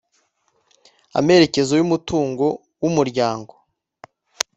amerekezo y umutungo w umuryango